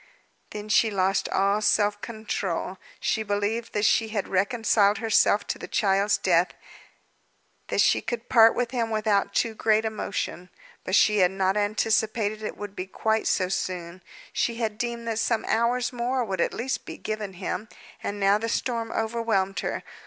Then she lost all self control. She believed that she had reconciled herself to the child's death, that she could part with him without too great emotion. But she had not anticipated it would be quite so soon; she had deemed that some hours more would at least be given him, and now the storm overwhelmed her.